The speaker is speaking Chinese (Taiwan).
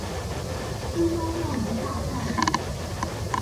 深溝釣魚大賽